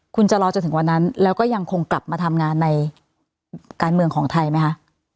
คุณจะรอจนถึงวันนั้นแล้วก็ยังคงกลับมาทำงานในการเมืองของไทยไหมคะ